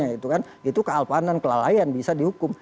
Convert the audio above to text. itu kan itu kealpanan kelalaian bisa dihukum